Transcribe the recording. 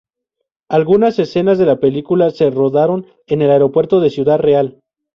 Algunas escenas de la película se rodaron en el Aeropuerto de Ciudad Real.